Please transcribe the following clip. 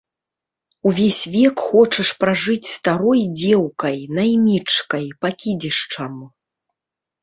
Увесь век хочаш пражыць старой дзеўкай, наймічкай, пакідзішчам.